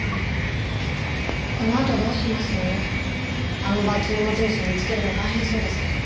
あのバッジの持ち主見つけるの大変そうですけど。